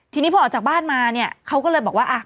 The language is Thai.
ทีนี้พอออกจากบ้านมาเนี่ยเขาก็เลยบอกว่า